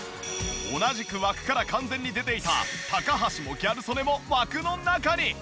同じく枠から完全に出ていた高橋もギャル曽根も枠の中に！